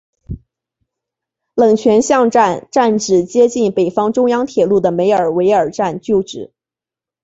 冷泉巷站站址接近北方中央铁路的梅尔维尔站旧址。